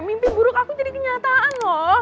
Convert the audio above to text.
mimpi buruk aku jadi kenyataan loh